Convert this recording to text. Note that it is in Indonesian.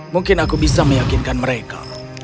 mungkin aku bisa meyakinkan mereka